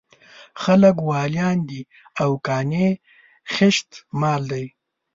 خلک واليان دي او قانع خېشت مال دی.